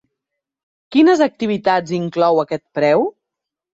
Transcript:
Quines activitats inclou aquest preu?